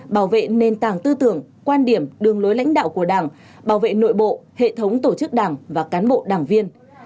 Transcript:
bảo vệ nền tảng tư tưởng quan điểm đường lối lãnh đạo của đảng bảo vệ nội bộ hệ thống tổ chức đảng và cán bộ đảng viên